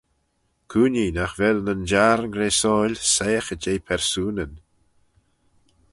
Cooinee nagh vel nyn Jiarn graysoil soiaghey jeh persoonyn.